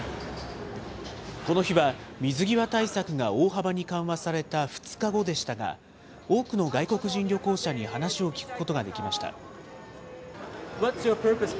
この日は、水際対策が大幅に緩和された２日後でしたが、多くの外国人旅行者に話を聞くことができました。